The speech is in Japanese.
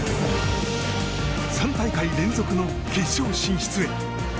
３大会連続の決勝進出へ。